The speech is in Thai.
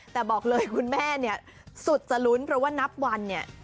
แต่บอกเลยคุณแม่เนี่ยสุดจะลุ้นเพราะว่านับวันเนี่ย